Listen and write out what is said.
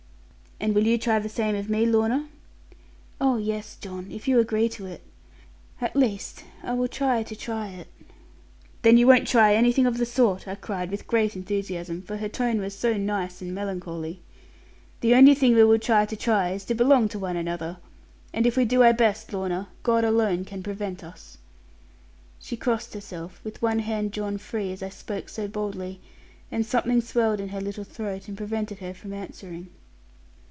'And will you try the same of me, Lorna?' 'Oh yes, John; if you agree to it. At least I will try to try it.' 'Then you won't try anything of the sort,' I cried with great enthusiasm, for her tone was so nice and melancholy: 'the only thing we will try to try, is to belong to one another. And if we do our best, Lorna, God alone can prevent us.' She crossed herself, with one hand drawn free as I spoke so boldly; and something swelled in her little throat, and prevented her from answering.